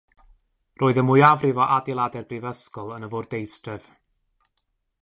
Roedd y mwyafrif o adeiladau'r brifysgol yn y fwrdeistref.